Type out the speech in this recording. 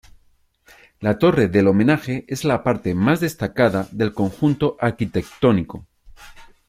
La torre del homenaje es la parte más destacada del conjunto arquitectónico.